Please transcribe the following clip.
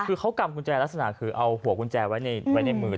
คือเขากำกุญแจลักษณะคือเอาหัวกุญแจไว้ในมือ